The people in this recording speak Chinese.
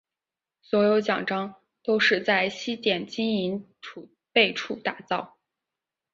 所有奖章都是在西点金银储备处打造。